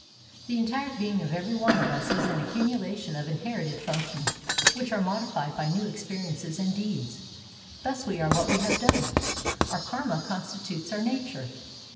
The entire being of ever\' one of us is an accumulation of inherited fimctions which are modified by new experiences and deeds. Thus we are what we have done. Our karma constitutes our nature.